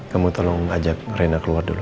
kamu tolong ajak rena keluar dulu